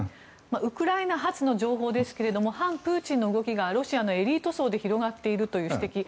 ウクライナ発の情報ですが反プーチンの動きがロシアのエリート層の間で広がっているという指摘